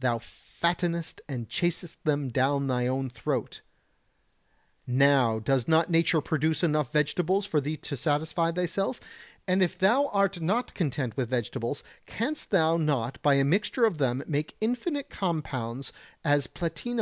thou fattenest and chasest them down thy own throat. Now does not nature produce enough vegetables for thee to satisfy thyself? And if thou art not content with vegetables, canst thou not by a mixture of them make infinite compounds as P